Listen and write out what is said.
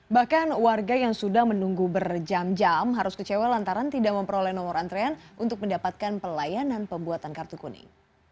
bahkan warga yang sudah menunggu berjam jam harus kecewa lantaran tidak memperoleh nomor antrean untuk mendapatkan pelayanan pembuatan kartu kuning